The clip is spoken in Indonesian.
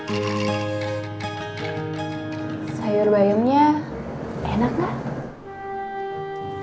sayur bayamnya enak gak